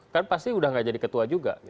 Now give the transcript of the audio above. kan pasti sudah tidak jadi ketua juga